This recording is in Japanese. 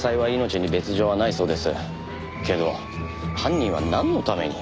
けど犯人はなんのために。